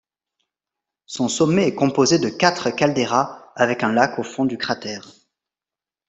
Son sommet est composé de quatre caldeiras avec un lac au fond du cratère.